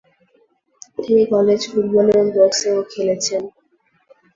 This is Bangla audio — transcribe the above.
তিনি কলেজ ফুটবল এবং বক্সিংও খেলেছেন।